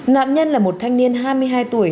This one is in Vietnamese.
nạn nhân là một thanh niên hai mươi hai tuổi